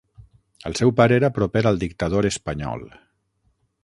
El seu pare era proper al dictador espanyol.